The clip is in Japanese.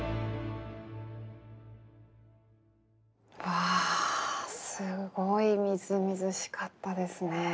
わあすごいみずみずしかったですね。